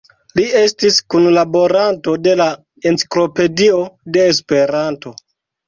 Li estis kunlaboranto de la Enciklopedio de Esperanto.